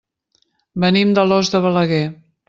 Venim d'Alòs de Balaguer.